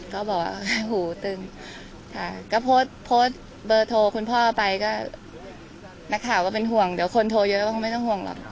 ก็บอกว่าหูตึงก็โพสต์โพสต์เบอร์โทรคุณพ่อไปก็นักข่าวก็เป็นห่วงเดี๋ยวคนโทรเยอะก็คงไม่ต้องห่วงหรอก